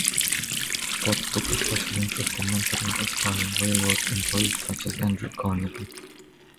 Scott took a special interest in mentoring aspiring railroad employees, such as Andrew Carnegie.